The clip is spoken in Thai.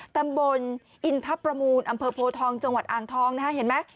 ตำบลอินทรประมูลอำเภอโพทองจังหวัดอ่างทองนะฮะเห็นไหม